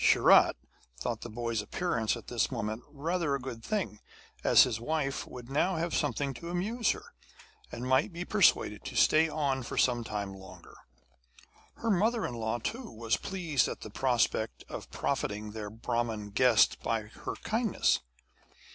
Sharat thought the boy's appearance at this moment rather a good thing, as his wife would now have something to amuse her, and might be persuaded to stay on for some time longer. Her mother in law, too, was pleased at the prospect of profiting their Brahmin guest by her kindness.